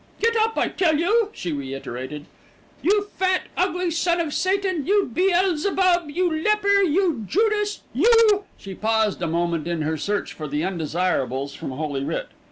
"Get up, I tell you," she reiterated. "You fat, ugly son of Satan, you Beelzebub, you leper, you Judas, you " she paused a moment in her search for the undesirables from Holy Writ.